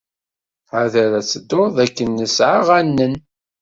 Ḥader ad tettuḍ dakken nesɛa aɣanen.